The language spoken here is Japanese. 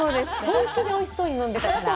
本当においしそうに飲んでたから。